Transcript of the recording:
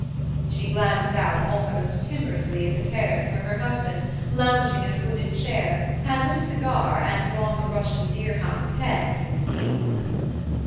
She glanced out almost timorously at the terrace where her husband, lounging in a hooded chair, had lit a cigar and drawn the Russian deerhound's head between his knees.